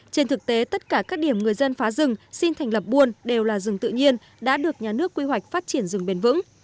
trên thực tế tất cả các điểm người dân phá rừng xin thành lập buôn đều là rừng tự nhiên đã được nhà nước quy hoạch phát triển rừng bền vững